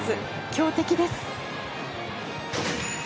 強敵です。